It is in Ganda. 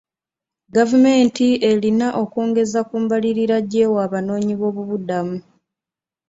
Gavumenti erina okwongeza ku mbalirira gyewa abanoonyi b'obubuddamu.